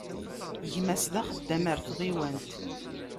Gma-s d axeddam ɣer tɣiwant.